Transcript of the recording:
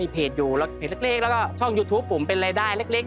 เพจอยู่แล้วเพจเล็กแล้วก็ช่องยูทูปผมเป็นรายได้เล็ก